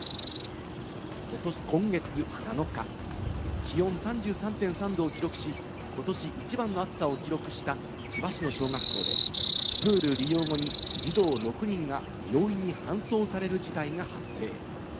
今月７日、気温３３．３℃を記録し、ことし一番の暑さを記録した千葉市の小学校で、プール利用後に児童６人が病院に搬送される事態が発生。